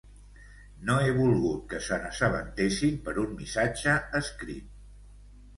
No he volgut que se n'assabentessin per un missatge escrit.